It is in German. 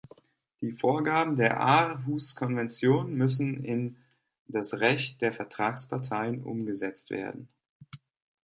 Die Vorgaben der Aarhus-Konvention müssen in das Recht der Vertragsparteien umgesetzt werden.